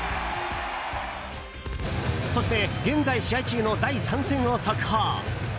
そして、現在試合中の第３戦を速報。